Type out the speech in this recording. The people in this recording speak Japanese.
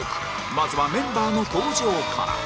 まずはメンバーの登場から